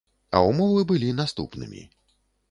А ўмовы былі наступнымі.